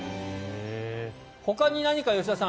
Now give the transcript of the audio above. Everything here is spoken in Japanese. ほかに何か吉田さん